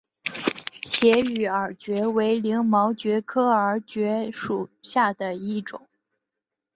斜羽耳蕨为鳞毛蕨科耳蕨属下的一个种。